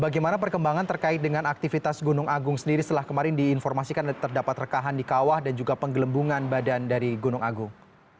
bagaimana perkembangan terkait dengan aktivitas gunung agung sendiri setelah kemarin diinformasikan terdapat rekahan di kawah dan juga penggelembungan badan dari gunung agung